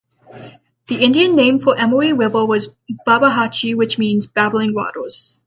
The Indian name for the Emory River was "Babahatchie", which means "babbling waters.